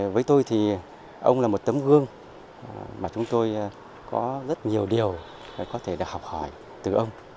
với tôi thì ông là một tấm gương mà chúng tôi có rất nhiều điều có thể được học hỏi từ ông